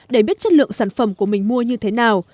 để biết chất lượng sản phẩm của mình mua như thế nào